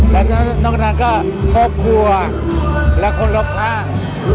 และนอกจากนั้นก็ครอบครัวและคนรบข้าง